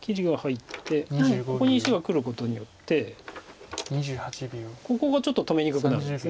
切りが入ってここに石がくることによってここがちょっと止めにくくなるんです。